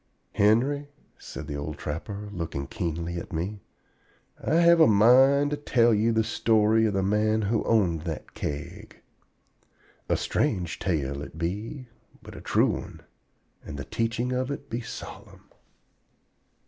Henry," said the Old Trapper, looking keenly at me, "I have a mind to tell you the story of the man who owned that Keg. A strange tale it be, but a true one, and the teachings of it be solemn."